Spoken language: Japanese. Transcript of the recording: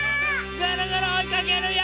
ぐるぐるおいかけるよ！